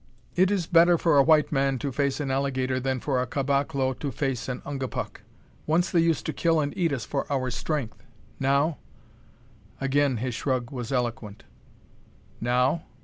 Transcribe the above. "It is better for a white man to face an alligator than for a caboclo to face an Ungapuk. Once they used to kill and eat us for our strength. Now " Again his shrug was eloquent. "Now?"